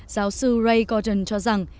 giáo sư ray gordon cho rằng